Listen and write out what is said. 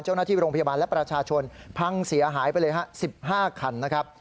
เจ้าหน้าที่โรงพยาบาลและประชาชนพังเสียหายไปเลยฮะ๑๕คันนะครับ